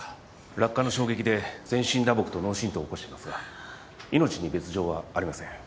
落下の衝撃で全身打撲と脳振とうを起こしていますが命に別条はありません。